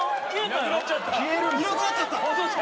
いなくなっちゃった！